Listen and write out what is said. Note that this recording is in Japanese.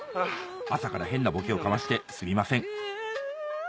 朝から変なボケをかましてすみません